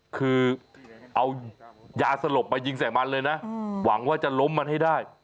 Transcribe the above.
คือเอายาสลบมายิงใส่มันเลยนะหวังว่าจะล้มมันให้ได้